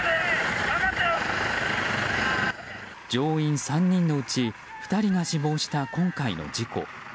乗員３人のうち２人が死亡した今回の事故。